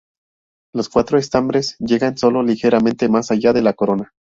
Los cuatro estambres llegan sólo ligeramente más allá de la corona.